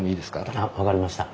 あっ分かりました。